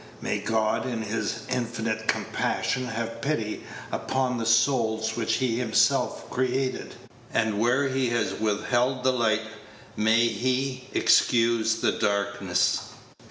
May God, in His infinite compassion, have pity upon the souls which He has Himself created, and where He has withheld the light, may be excuse the darkness!